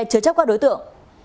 chứa chấp các đối tượng